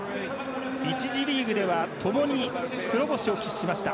１次リーグではともに黒星を喫しました。